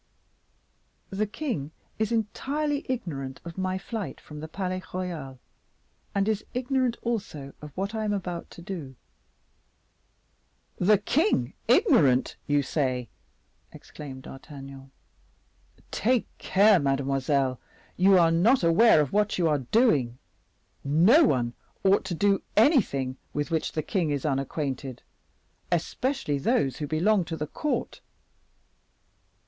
The king is entirely ignorant of my flight from the Palais Royal, and is ignorant also of what I am about to do." "The king ignorant, you say!" exclaimed D'Artagnan. "Take care, mademoiselle; you are not aware of what you are doing. No one ought to do anything with which the king is unacquainted, especially those who belong to the court."